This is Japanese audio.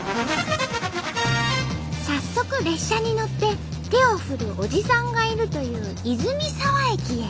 早速列車に乗って手を振るおじさんがいるという泉沢駅へ。